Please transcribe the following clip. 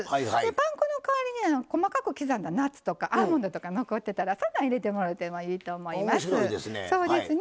パン粉の代わりに細かく刻んだナッツとかアーモンドとか残ってたらそんなん入れてもろうてもええかなと思います。